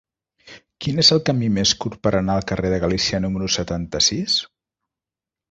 Quin és el camí més curt per anar al carrer de Galícia número setanta-sis?